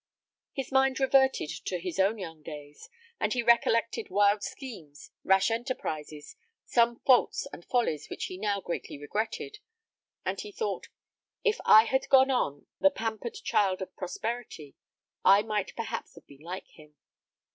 His mind reverted to his own young days, and he recollected wild schemes, rash enterprises, some faults and follies which he now greatly regretted; and he thought, "If I had gone on, the pampered child of prosperity, I might perhaps have been like him."